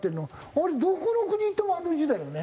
あれどこの国行ってもあの字だよね。